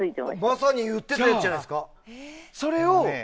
まさに言ってたやつじゃないですか？